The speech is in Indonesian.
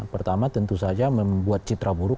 pertama tentu saja membuat citra buruk